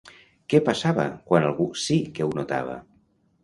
Què passava quan algú sí que ho notava?